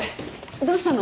どうしたの？